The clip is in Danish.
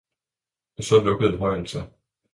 Og så lukkede højen sig.